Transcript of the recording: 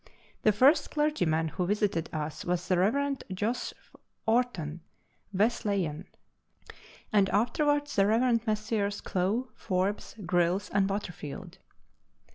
The first clergyman who visited us was the Rev. Jos. Orton, Wesleyan, and afterwards the Revs. Messrs. Clow, Forbes, Grylls, and Waterfield.